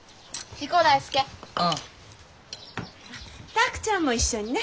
拓ちゃんも一緒にね。